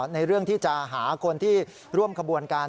ในเรื่องที่จะหาคนที่ร่วมขบวนการ